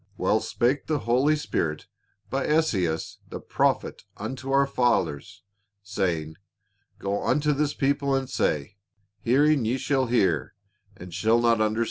" Well spake the Holy Spirit by Esaias the prophet unto our fathers, saying, Go unto this people and say, Hearing ye sliall hear, and shall not under "READY TO BE OFFERED.''